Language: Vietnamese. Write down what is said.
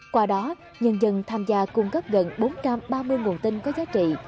qua đó nhân dân tham gia cung cấp gần bốn trăm ba mươi nguồn tin có giá trị